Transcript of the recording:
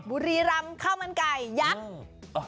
บุรีรำข้าวมันไก่ยักษ์